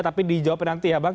tapi dijawab nanti ya bang